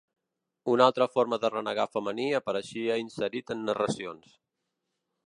Un altra forma de renegar femení apareixia inserit en narracions.